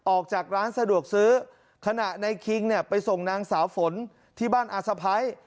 ออกจากร้านสะดวกซื้อขณะในคิงเนี่ยไปส่งนางสาวฝนที่บ้านอาสะพ้าย